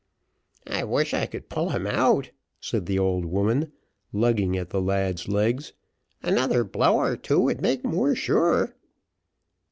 "I wish I could pull him out," said the old woman, lugging at the lad's legs; "another blow or two would make more sure."